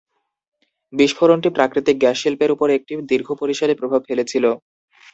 বিস্ফোরণটি প্রাকৃতিক গ্যাস শিল্পের উপর একটি দীর্ঘ পরিসরে প্রভাব ফেলেছিল।